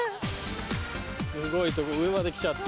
すごいとこ上まで来ちゃって。